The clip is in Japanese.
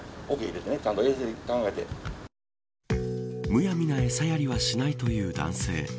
むやみなエサやりはしないという男性。